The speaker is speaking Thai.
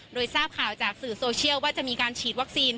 โดยทราบข่าวจากสื่อโซเชียลว่าจะมีการฉีดวัคซีน